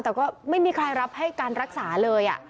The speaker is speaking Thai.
แต่ก็ไม่มีใครรับให้การรักษาเลย